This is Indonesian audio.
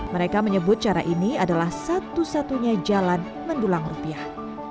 mereka menyebut cara ini adalah satu satunya jalan mendulang rupiah